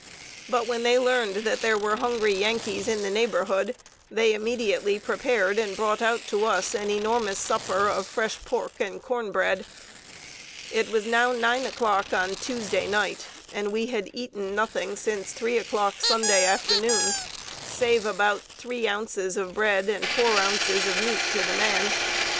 But when they learned that there were hungry Yankees in the neighborhood, they immediately prepared and brought out to us an enormous supper of fresh pork and corn bread. It was now nine o'clock on Tuesday night, and we had eaten nothing since three o'clock Sunday afternoon, save about three ounces of bread and four ounces of meat to the man.